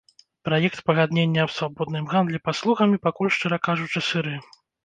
Праект пагаднення аб свабодным гандлі паслугамі пакуль, шчыра кажучы, сыры.